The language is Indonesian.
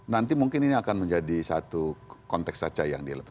nanti mungkin ini akan menjadi satu konteks saja yang dilepas